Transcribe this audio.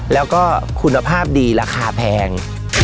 แล้วก็คุณภาพดีราคาแพง